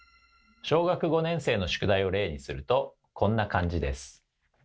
小学５年生の宿題を例にするとこんな感じです。